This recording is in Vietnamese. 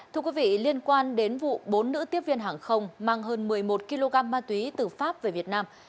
thưa quý vị liên quan đến vụ bốn nữ tiếp viên hàng không mang hơn một mươi một kg ma túy từ pháp về việt nam